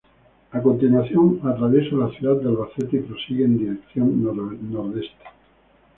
A continuación atraviesa la ciudad de Albacete, y prosigue en dirección nordeste.